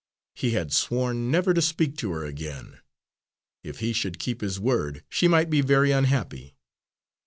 He had sworn never to speak to her again. If he should keep his word, she might be very unhappy.